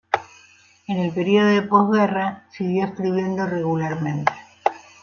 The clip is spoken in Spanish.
En el período de postguerra, siguió escribiendo regularmente.